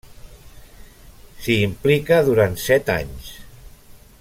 S'hi implica durant set anys.